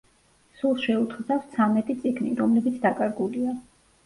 სულ შეუთხზავს ცამეტი წიგნი, რომლებიც დაკარგულია.